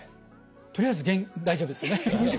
とりあえず大丈夫ですよね。